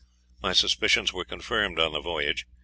My suspicions were confirmed on the voyage.